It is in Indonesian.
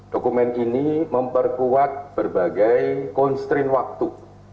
dokumen ini memperkuat berbagai konstrin waktu